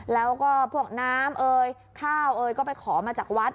แล้วก็พวกน้ำเอ่ยข้าวเอ่ยก็ไปขอมาจากวัด